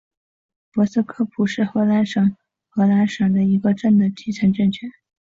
博斯科普是荷兰南荷兰省的一个镇的基层政权。